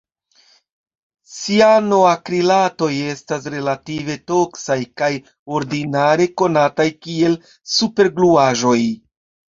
Cianoakrilatoj estas relative toksaj kaj ordinare konataj kiel supergluaĵoj.